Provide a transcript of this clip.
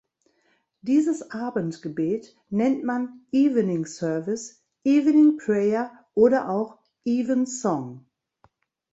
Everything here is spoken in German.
Dieses Abendgebet nennt man Evening Service, Evening Prayer oder auch Evensong.